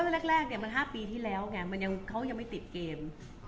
ไม่หรอกเพราะว่าแรกมัน๕ปีที่แล้วไงเขายังไม่ติดเกม